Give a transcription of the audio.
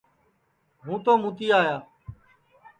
ہُوں تو مُوتی آیا